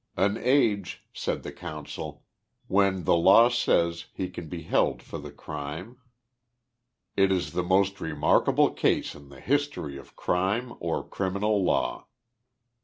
" An age," said the counsel, " when, the law says, he can be held for the crime. It is the most remarkable case in the history of crime, or criminal law."